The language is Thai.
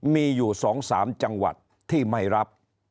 มีอยู่๒๓จังหวัดที่ไม่รับ